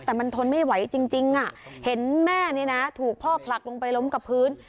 แต่มันทนไม่ไหวจริงเห็นแม่นี่นะถูกพ่อผลักลงไปล้มกับพื้น